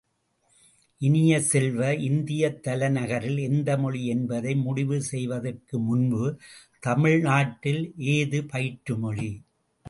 இனிய செல்வ, இந்தியத் தலைநகரில் எந்த மொழி என்பதை முடிவு செய்வதற்குமுன்பு தமிழ் நாட்டில் எது பயிற்று மொழி?